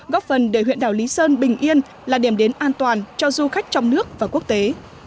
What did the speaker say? góp phần để huyện đảo lý sơn bình yên là điểm đến an toàn cho du khách trong nước và quốc tế